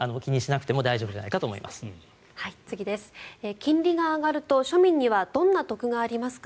金利が上がると庶民にはどんな得がありますか？